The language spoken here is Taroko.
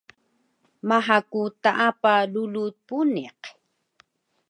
Maha ku taapa rulu puniq